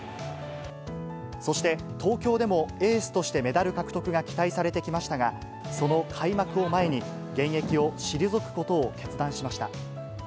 そして、東京でもエースとしてメダル獲得が期待されてきましたが、その開幕を前に、現役を退くことを決断しました。